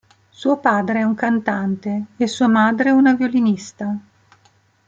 Suo padre è un cantante e sua madre una violinista.